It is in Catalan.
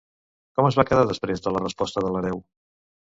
Com es va quedar després de la resposta de l'hereu?